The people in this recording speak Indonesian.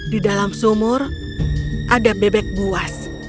di dalam sumur ada bebek buas